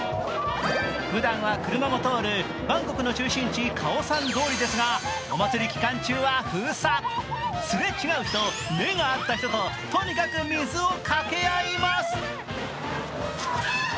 ふだんは車も通るバンコクの中心地、カオサン通りですがお祭り期間中は封鎖、すれ違う人、目が合った人ととにかく水をかけ合います。